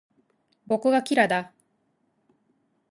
僕がキラだ